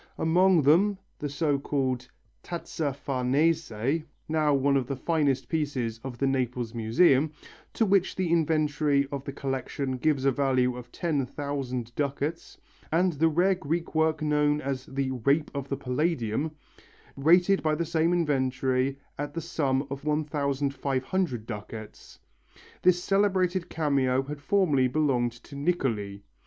Among them, the so called "Tazza Farnese," now one of the finest pieces of the Naples Museum, to which the inventory of the collection gives a value of 10,000 ducats, and the rare Greek work known as the "Rape of the Palladium," rated by the same inventory at the sum of 1500 ducats. This celebrated cameo had formerly belonged to Niccoli.